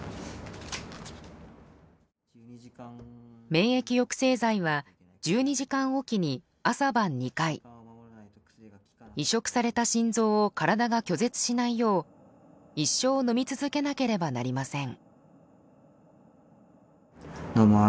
免疫抑制剤は１２時間おきに朝晩２回移植された心臓を体が拒絶しないよう一生飲み続けなければなりません。